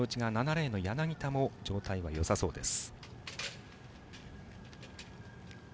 レーン柳田も状態はよさそうです。